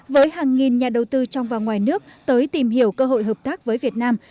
với hàng nghìn nhà đầu tư trong và ngoài nước tới tìm hiểu cơ hội hợp tác với việt nam